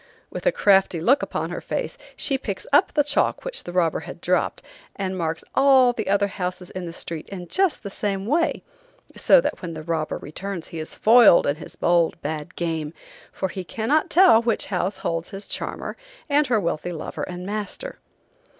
With a crafty look upon her face, she picks up the chalk which the robber had dropped, and marks all the other houses in the street in just the same way, so that when the robber returns he is foiled in his bold, bad game, for he cannot tell which house holds his charmer, and her wealthy lover and master.